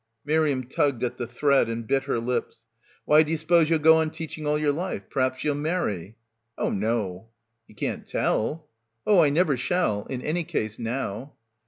Miriam tugged at the thread and bit her lips. "Why do ye suppose ye'll go on teaching all yer life? Perhaps ye'll marry." "Oh no." "Ye can't tell." "Oh, I never shall — in any case now."